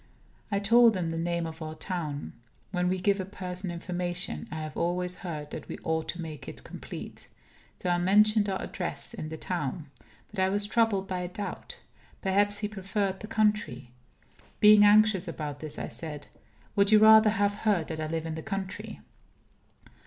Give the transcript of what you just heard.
I told him the name of our town. When we give a person information, I have always heard that we ought to make it complete. So I mentioned our address in the town. But I was troubled by a doubt. Perhaps he preferred the country. Being anxious about this, I said: "Would you rather have heard that I live in the country?"